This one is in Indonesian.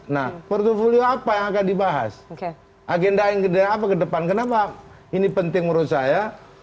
nah portfolio apa yang akan dibahas agenda yang kedua apa ke depan kenapa ini penting menurut saya